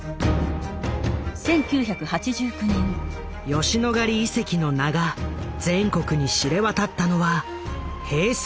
吉野ヶ里遺跡の名が全国に知れ渡ったのは平成元年。